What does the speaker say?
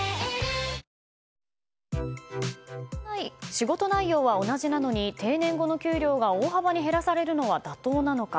仕事内容は同じなのに定年後の給料が大幅に減らされるのは妥当なのか。